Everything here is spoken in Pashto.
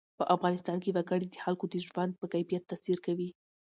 په افغانستان کې وګړي د خلکو د ژوند په کیفیت تاثیر کوي.